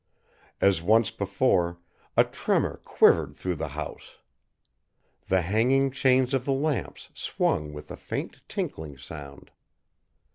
As once before, a tremor quivered through the house. The hanging chains of the lamps swung with a faint tinkling sound.